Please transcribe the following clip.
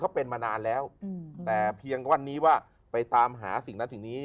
เขาเป็นมานานแล้วแต่เพียงวันนี้ว่าไปตามหาสิ่งนั้นสิ่งนี้